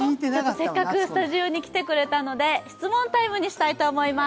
せっかくスタジオに来てくれたので、質問タイムにしたいと思います。